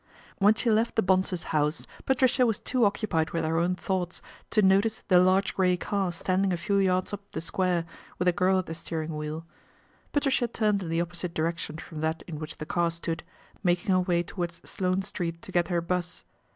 When she left the Bonsors' house, Patricia was too occupied with her own thoughts to notice the large grey car standing a few yards up the square with a girl at the steering wheel. Patricia turned in the opposite direction from that in which the car stood, making her way towards Sloane Street to get her bus.